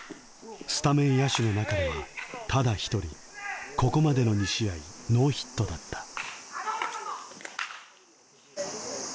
スタメン野手の中ではただ一人ここまでの２試合ノーヒットだった。